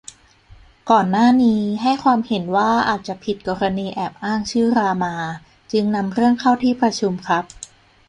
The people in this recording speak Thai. ก่อนหน้านี้ให้ความเห็นว่าอาจจะผิด กรณีแอบอ้างชื่อ รามา จึงนำเรื่องเข้าที่ประชุมครับ